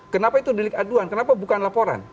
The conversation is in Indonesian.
kenapa itu delik aduan kenapa bukan laporan